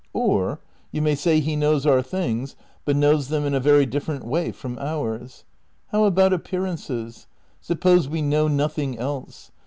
Or you may say he knows our things, but knows them in a very different way from ours. How ahout appear ances? Suppose we know nothing else?